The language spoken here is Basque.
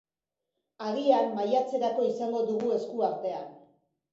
Agian, maiatzerako izango dugu esku artean.